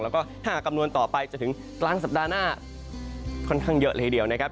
แล้วก็ถ้าหากคำนวณต่อไปจนถึงกลางสัปดาห์หน้าค่อนข้างเยอะเลยทีเดียวนะครับ